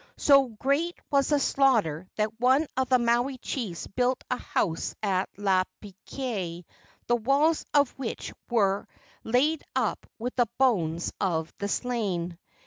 So great was the slaughter that one of the Maui chiefs built a house at Lapakea, the walls of which were laid up with the bones of the slain.